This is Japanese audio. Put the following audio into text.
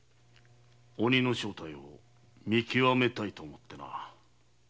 鬼の正体を見極めたいと思ってな。